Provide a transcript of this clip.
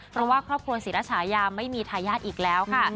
เพราะว่าครอบครัวศรีรชายาไม่มีทายาทอีกแล้วค่ะ